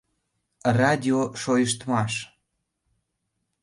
РАДИОШОЙЫШТМАШ